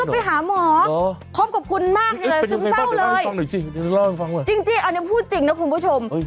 ยังไงบ้างฟังเลยจริงจริงอันนี้พูดจริงนะคุณผู้ชม